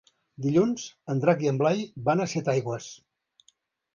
Dilluns en Drac i en Blai van a Setaigües.